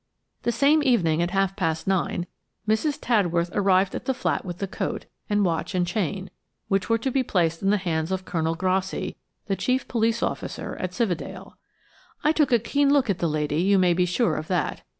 The same evening at half past nine Mrs. Tadworth arrived at the flat with the coat, and watch and chain, which were to be placed in the hands of Colonel Grassi, the chief police officer at Cividale. I took a keen look at the lady, you may be sure of that.